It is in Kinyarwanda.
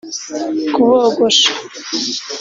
kubogosha